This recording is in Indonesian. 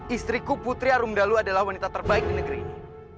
istriku putri arumdalu adalah wanita terbaik di negeri ini